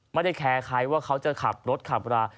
ไม่ได้แคร์ใครว่าเขาจะขับรถขับรา